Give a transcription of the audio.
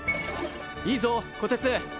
いいぞこてつ！